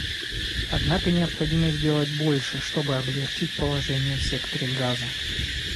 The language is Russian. Однако необходимо сделать больше, чтобы облегчить положение в секторе Газа.